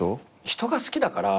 人が好きだから。